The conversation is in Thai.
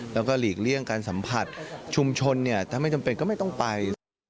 แล้วก็หลีกเลี่ยงการสัมผัสชุมชนเนี่ยถ้าไม่จำเป็นก็ไม่ต้องไป